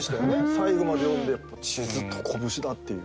最後まで読んで『地図と拳』だっていう。